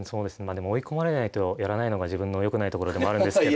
でも追い込まれないとやらないのが自分のよくないところでもあるんですけど。